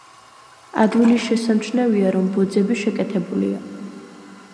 ადვილი შესამჩნევია, რომ ბოძები შეკეთებულია.